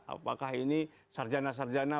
apakah ini sarjana sarjana